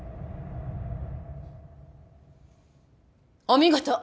お見事。